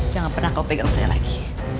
jangan pernah kau pegang saya lagi